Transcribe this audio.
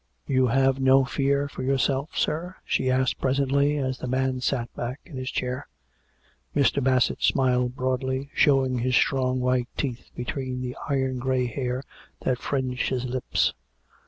" You have no fear for yourself, sir ?" she asked pres ently, as the man sat back in his chair. Mr. Bassett smiled broadly, showing his strong white teeth between the iron grey hair that fringed his lips.